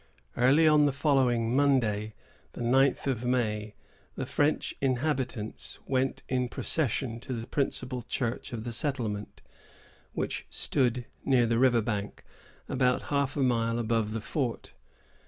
Early on the following morning, Monday, the ninth of May, the French inhabitants went in procession to the principal church of the settlement, which stood near the river bank, about half a mile above the fort.